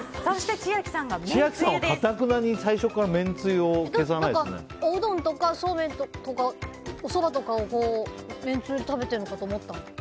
千秋さんはかたくなに最初からおうどんとかそうめんとかおそばとかをめんつゆで食べてるかと思った。